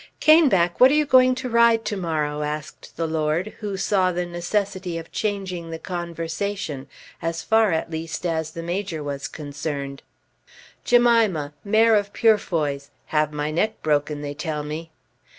"Caneback, what are you going to ride to morrow?" asked the lord who saw the necessity of changing the conversation, as far at least as the Major was concerned. "Jemima; mare of Purefoy's; have my neck broken, they tell me."